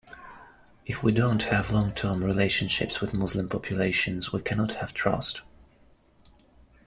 If we don't have long-term relationships with Muslim populations, we cannot have trust.